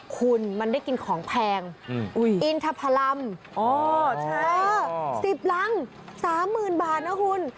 คุณมันได้กินของแพงอินทพลัมสิบลังสามหมื่นบาทนะคุณ